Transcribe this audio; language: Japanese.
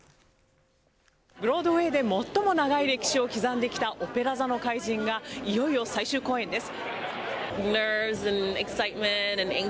ブロードウェーで最も長い歴史を刻んできたオペラ座の怪人がいよいよ最終公演です。